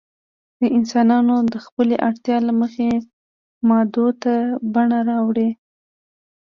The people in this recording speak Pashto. انسانانو د خپلې اړتیا له مخې موادو ته بڼه اړولې.